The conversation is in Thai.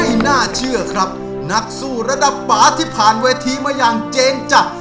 น่าเชื่อครับนักสู้ระดับป่าที่ผ่านเวทีมาอย่างเจนจักร